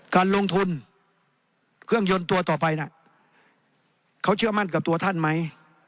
การลงทุนเครื่องยนต์ตัวต่อไปน่ะเขาเชื่อมั่นกับตัวท่านไหม